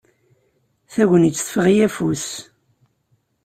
Tagnit teffeɣ-iyi afus.